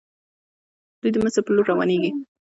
دوی د مصر په لور روانيږي.